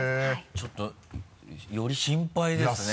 ちょっとより心配ですね。